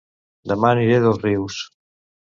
Dema aniré a Dosrius